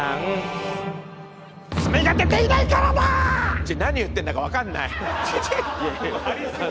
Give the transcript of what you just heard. ちょっと何言ってんだか分かんない。